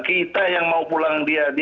kita yang mau pulang dia